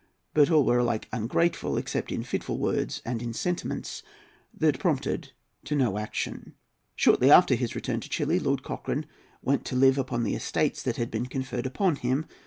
But all were alike ungrateful, except in fitful words and in sentiments that prompted to no action. Shortly after his return to Chili, Lord Cochrane went to live upon the estates that had been conferred upon him.